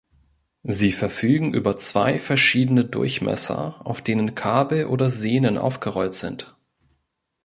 Sie verfügen über zwei verschiedene Durchmesser, auf denen Kabel oder Sehnen aufgerollt sind.